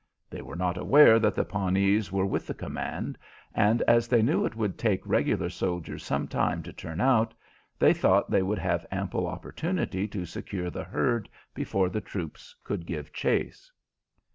They were not aware that the Pawnees were with the command, and as they knew it would take regular soldiers some time to turn out, they thought they would have ample opportunity to secure the herd before the troops could give chase.